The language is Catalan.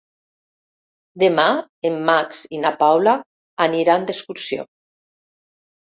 Demà en Max i na Paula aniran d'excursió.